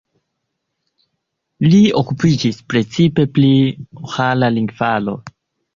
Li okupiĝis precipe pri urala lingvaro.